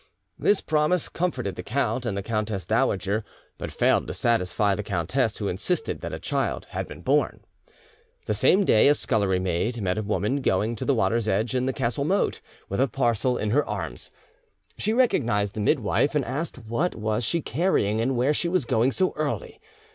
This promise comforted the count and the countess dowager, but failed to satisfy the countess, who insisted that a child had been born. The same day a scullery maid met a woman going to the water's edge in the castle moat, with a parcel in her arms. She recognised the midwife, and asked what she was carrying and where she was going so early.